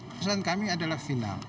kesalahan kami adalah final